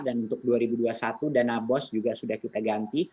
dan untuk dua ribu dua puluh satu dana bos juga sudah kita ganti